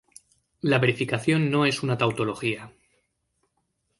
La verificación no es una tautología.